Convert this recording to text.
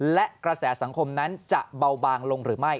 และกระแสสังคมนั้นจะเบาบางลงหรือไม่